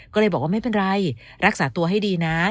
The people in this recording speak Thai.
ก็เลยบอกว่าไม่เป็นไรรักษาตัวให้ดีนะ